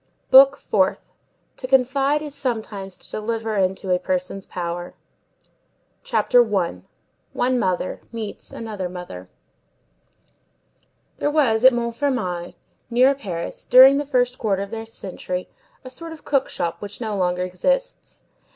BOOK FOURTH—TO CONFIDE IS SOMETIMES TO DELIVER INTO A PERSON'S POWER CHAPTER I—ONE MOTHER MEETS ANOTHER MOTHER There was, at Montfermeil, near Paris, during the first quarter of this century, a sort of cook shop which no longer exists.